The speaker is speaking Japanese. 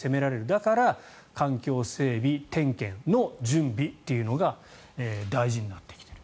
だから環境整備点検の準備というのが大事になってきている。